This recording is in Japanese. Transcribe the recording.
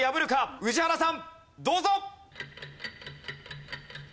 宇治原さんどうぞ！